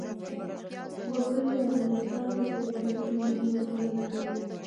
وګړي د افغانستان په طبیعت کې مهم رول لري.